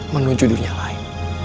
menuju dunia lain